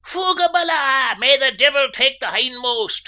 "Fuaghaballah, may the divvle take the hindmost!"